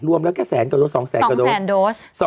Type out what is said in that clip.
รวมแล้วแก้แสนกับโดสสองแสนกับโดส